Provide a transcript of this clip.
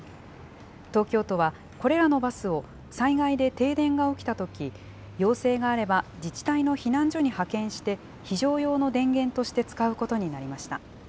東京都は、これらのバスを災害で停電が起きたとき、要請があれば自治体の避難所に派遣して、非常用の電源として使うことになりました。